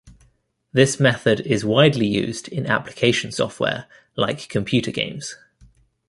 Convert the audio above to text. This method is widely used in application software like computer games.